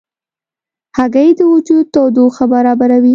هګۍ د وجود تودوخه برابروي.